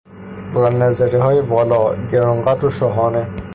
بلندنظریهای والا، گرانقدر و شاهانه